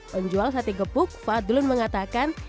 penjual sate gepuk fadlun mengatakan